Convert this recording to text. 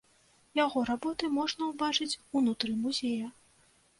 Яго работы можна ўбачыць унутры музея.